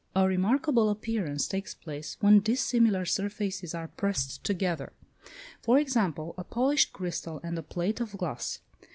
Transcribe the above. A remarkable appearance takes place when dissimilar surfaces are pressed together; for example, a polished crystal and a plate of glass.